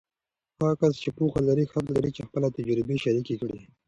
هغه کس چې پوهه لري، حق لري چې خپله تجربې شریکې کړي.